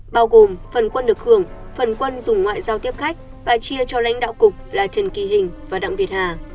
bao gồm phần quân được hưởng phần quân dùng ngoại giao tiếp khách và chia cho lãnh đạo cục là trần kỳ hình và đặng việt hà